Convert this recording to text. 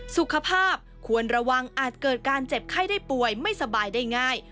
สุขภาพควรระวังอาจเกิดการเจ็บไข้ได้ป่วยไม่สบายได้ง่าย